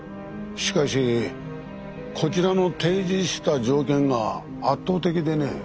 しかしこちらの提示した条件が圧倒的でね。